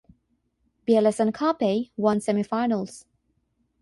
Biellese and Carpi won semifinals.